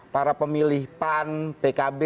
para pemilih pan pkb